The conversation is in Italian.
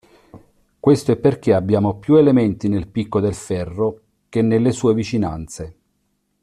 Questo è perché abbiamo più elementi nel picco del ferro che nelle sue vicinanze.